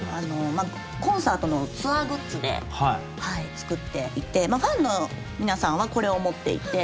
コンサートのツアーグッズで作っていてファンの皆さんはこれを持っていて。